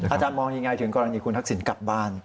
อาจารย์มองยังไงถึงกรณีคุณทักษิณกลับบ้าน